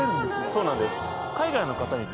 そうなんです。